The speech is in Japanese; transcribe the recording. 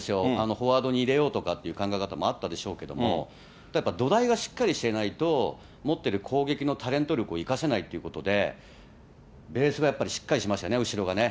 フォワードに入れようとかっていう考え方もあったでしょうけども、やっぱ土台がしっかりしてないと、持ってる攻撃のタレント力を生かせないっていうことで、ベースがやっぱりしっかりしましたね、後ろがね。